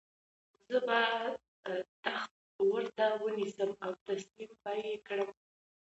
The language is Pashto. زه به تخت ورته ونیسم او تسلیم به یې کړم.